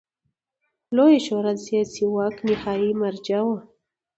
لویه شورا د سیاسي واک نهايي مرجع وه.